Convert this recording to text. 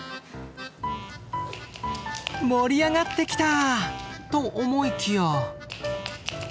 盛り上がってきたと思いきや。